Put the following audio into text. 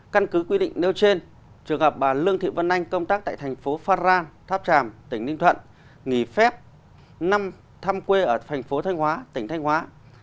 căn cứ quy định nêu trên trường hợp bà lương thị vân anh công tác tại thành phố phan rang tháp tràm tỉnh ninh thuận nghỉ phép năm thăm quê ở thành phố thanh hóa tỉnh thanh hóa